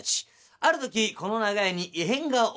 ある時この長屋に異変が起きる。